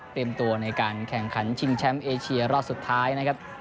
ตัวในการแข่งขันชิงแชมป์เอเชียรอบสุดท้ายนะครับ